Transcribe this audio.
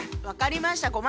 分かりました。